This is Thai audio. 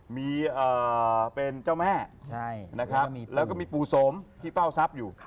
มีเป็นเจ้าแม่นะครับแล้วก็มีปู่สมที่เฝ้าทรัพย์อยู่